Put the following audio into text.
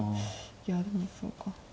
いやでもそうか。